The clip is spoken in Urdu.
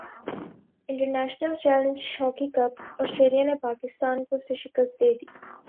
international challenge hockey cup Australia نے پاکستان کو سے شکست دے دی